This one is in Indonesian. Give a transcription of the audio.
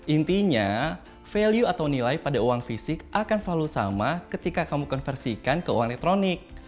intinya value atau nilai pada uang fisik akan selalu sama ketika kamu konversikan ke uang elektronik